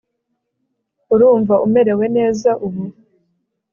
urumva umerewe neza ubu